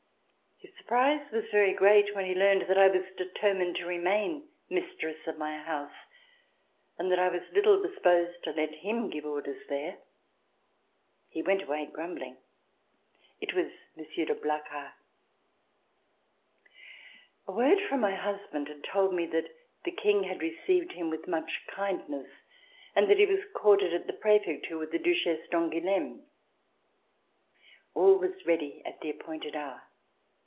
His surprise was very great when he learned that I was determined to remain mistress of my house and that I was little disposed to let him give orders there. He went away grumbling. It was Monsieur de Blacas. A word from my husband had told me that the King had received him with much kindness, and that he was quartered at the Prefecture with the Duchesse d'Angouleme. All was ready at the appointed hour.